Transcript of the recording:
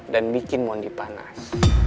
dan bikin mondi panas